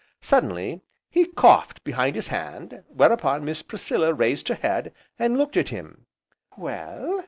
Suddenly, he coughed behind hand, whereupon Miss Priscilla raised her head, and looked at him. "Well?"